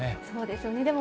そうですよね。